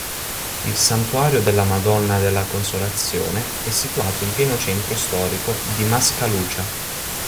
Il Santuario della Madonna della Consolazione, è situato in pieno centro storico di Mascalucia.